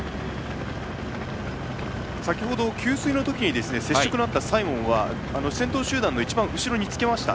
先ほど、給水の時に接触のあったサイモンは先頭集団の一番後ろにつけました。